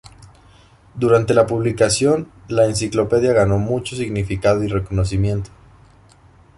Durante la publicación, la enciclopedia ganó mucho significado y reconocimiento.